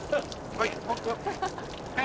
はい？